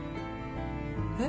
えっ？